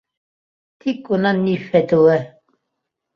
Тик унан ни фәтүә.